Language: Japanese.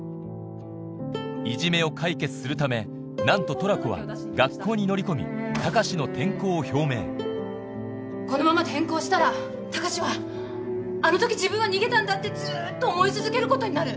いじめを解決するためなんとトラコは学校に乗り込み高志の転校を表明このまま転校したら高志はあの時自分は逃げたんだってずっと思い続けることになる。